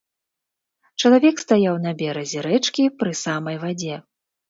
Чалавек стаяў на беразе рэчкі, пры самай вадзе.